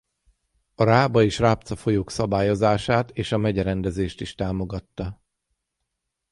A Rába és Rábca folyók szabályozását és a megyerendezést is támogatta.